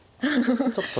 ちょっと。